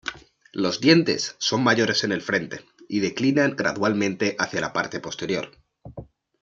Los dientes son mayores en el frente y declinan gradualmente hacia la parte posterior.